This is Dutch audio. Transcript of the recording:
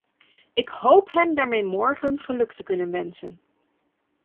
Ik hoop hem daarmee morgen geluk te kunnen wensen.